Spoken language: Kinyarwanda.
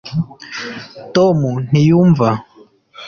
tom ntiyumva